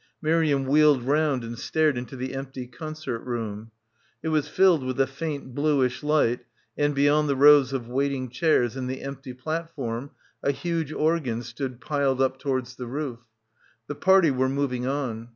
Miriam wheeled round and stared into the empty concert room. It was filled with a faint bluish light and beyond the rows of waiting chairs and the empty platform a huge organ stood piled up towards the roof. The party were moving on.